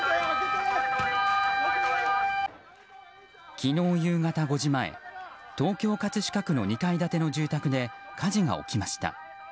昨日夕方５時前東京・葛飾区の２階建ての住宅で火事が起きました。